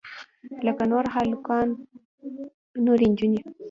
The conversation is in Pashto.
لکه نور هلکان نورې نجونې.